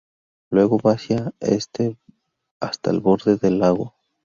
Luego va hacia el este hasta el borde del lago.